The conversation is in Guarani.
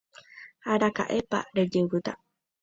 Araka'épa rejevýta.